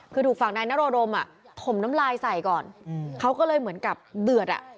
คือถูกฝั่งนายนโรดมอ่ะถมน้ำลายใส่ก่อนเขาก็เลยเหมือนกับเดือดอ่ะ